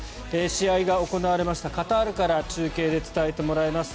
試合が行われましたカタールから中継で伝えてもらいます。